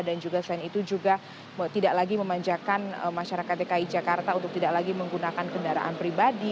dan selain itu juga tidak lagi memanjakan masyarakat dki jakarta untuk tidak lagi menggunakan kendaraan pribadi